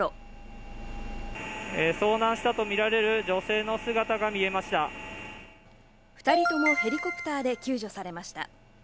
遭難したと見られる女性の姿２人ともヘリコプターで救助されました。